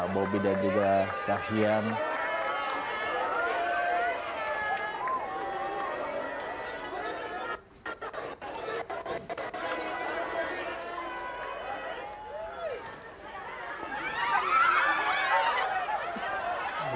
bobby dan juga kahiyang